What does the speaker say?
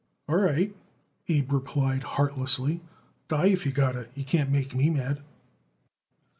"All right," Abe replied heartlessly. "Die if you got to. You can't make me mad."